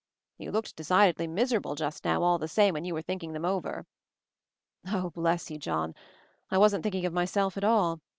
"You looked decidedly miserable just now, all the same, when you were thinking them over." <<i Oh, bless you, John, I wasn't thinking of myself at all!